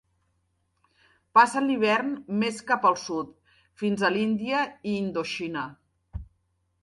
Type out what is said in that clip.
Passen l'hivern més cap al sud, fins a l'Índia i Indoxina.